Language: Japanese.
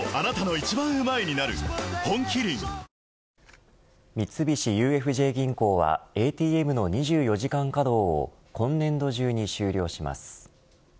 本麒麟三菱ＵＦＪ銀行はＡＴＭの２４時間稼働を今年度中に終了します。